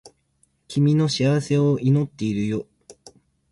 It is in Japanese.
君の幸せを祈っているよ